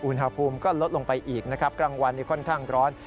อุณหภูมิก็ลดลงไปอีกนะครับกลางวันค่อนข้างร้อน